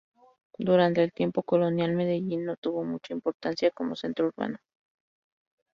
Durante el tiempo colonial Medellín no tuvo mucha importancia como centro urbano.